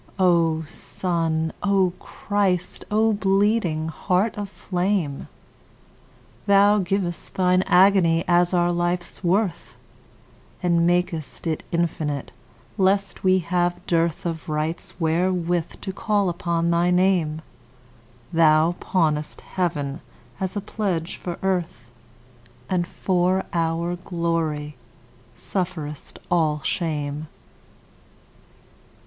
O Sun, O Christ, O bleeding Heart of flame! Thou giv'st Thine agony as our life's worth, And mak'st it infinite, lest we have dearthOf rights wherewith to call upon thy Name; Thou pawnest Heaven as a pledge for Earth, And for our glory sufferest all shame.